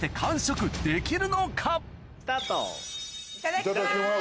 いただきます！